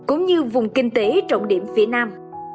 cũng như vùng kinh tế trọng điểm phía nam